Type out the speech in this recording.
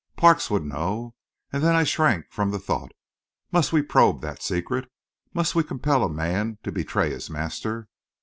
Parks would know. And then I shrank from the thought. Must we probe that secret? Must we compel a man to betray his master?